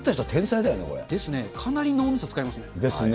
ですね、かなり脳みそ使いまですね。